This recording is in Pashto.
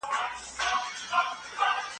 هم شیرین، هم وېروونکی، لړزوونکی